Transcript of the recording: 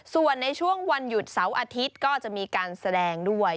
ส่วนในช่วงวันหยุดเสาร์อาทิตย์ก็จะมีการแสดงด้วย